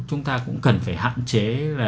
chúng ta cũng cần phải hạn chế